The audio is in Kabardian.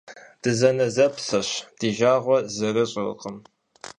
Дызэнэзэпсэщ, ди жагъуэ зэрыщӀыркъым.